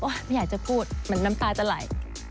ไม่อยากจะพูดเหมือนน้ำตาจะไหล